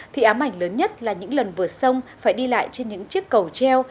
thì ám ảnh lớn nhất là những lần vượt sông phải đi lại trên những chiếc cầu treo